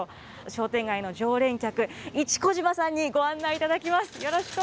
商店街の常連客、市子嶋さんにお伝えいただきます。